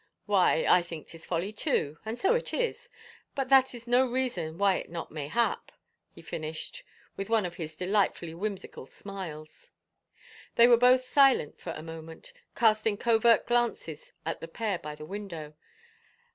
"" Why, I think 'tis folly too. And so it is. ... But that is no reason why it may not hap," he finished with one of his delightfully whimsical smiles. They were both silent a moment, casting covert glances at the pair by the window.